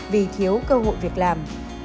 vì thiếu cơ hội việc làm